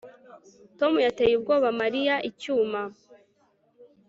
Tom yateye ubwoba Mariya icyuma